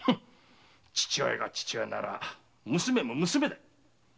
父親が父親なら娘も娘だ。